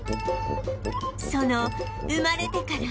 その生まれてから